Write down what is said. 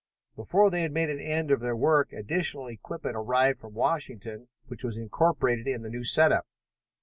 Before they had made an end of the work additional equipment arrived from Washington, which was incorporated in the new set up.